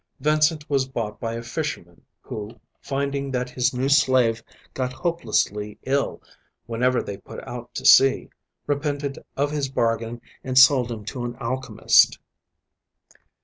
Vincent was bought by a fisherman who, finding that his new slave got hopelessly ill whenever they put out to sea, repented of his bargain and sold him to an alchemist.